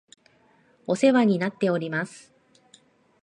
お世話になっております